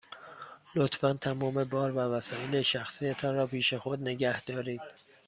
لطفاً تمام بار و وسایل شخصی تان را پیش خود نگه دارید.